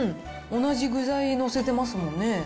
同じ具材載せてますもんね。